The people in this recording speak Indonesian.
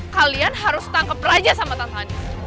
kalian harus tangkep raja sama tante anies